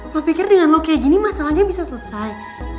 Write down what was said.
lo pikir dengan lo kayak gini masalahnya bisa selesai